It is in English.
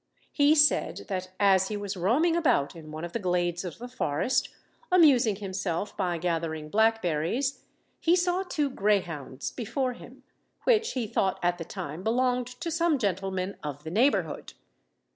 He said, that as he was roaming about in one of the glades of the forest, amusing himself by gathering blackberries, he saw two greyhounds before him, which he thought at the time belonged to some gentleman of the neighbourhood.